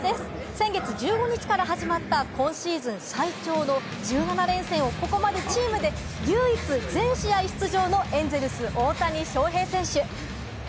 先月１５日から始まった今シーズン最長の１７連戦をここまでチームで唯一、全試合出場のエンゼルス・大谷翔平選手。